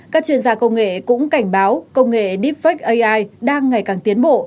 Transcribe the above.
các chuyên gia công nghệ cũng cảnh báo công nghệ deepfake ai đang ngày càng tiến bộ